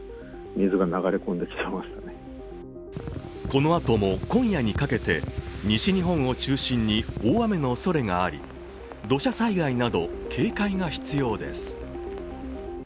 このあとも今夜にかけて西日本を中心に大雨のおそれがあり土砂災害など警戒が必要です。